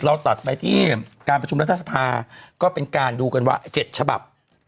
ตัดไปที่การประชุมรัฐสภาก็เป็นการดูกันว่า๗ฉบับ